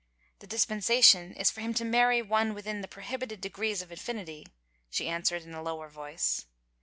" The dispensa tion is for him to marry one within the prohibited degrees of affinity," she answered in a lower voice.